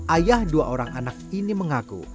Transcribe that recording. ayah dua orang anak ini mengaku